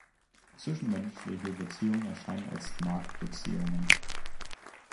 Zwischenmenschliche Beziehungen erscheinen als Markt-Beziehungen.